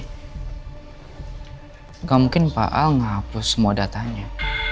tidak mungkin pak al menghapus semua datanya